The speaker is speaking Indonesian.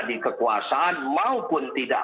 di kekuasaan maupun tidak